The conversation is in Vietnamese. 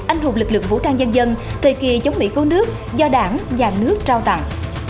anh hùng lực lượng vũ trang dân dân thời kỳ chống mỹ cứu nước do đảng nhà nước trao tặng